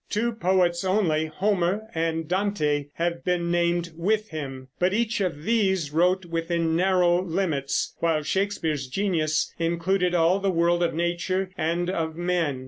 Two poets only, Homer and Dante, have been named with him; but each of these wrote within narrow limits, while Shakespeare's genius included all the world of nature and of men.